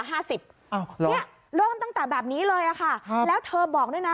เนี่ยเริ่มตั้งแต่แบบนี้เลยค่ะแล้วเธอบอกด้วยนะ